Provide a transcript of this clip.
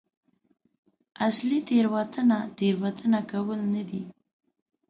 اصلي تېروتنه تېروتنه کول نه دي.